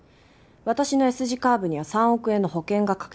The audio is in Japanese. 私のＳ字カーブには３億円の保険がかけられてる。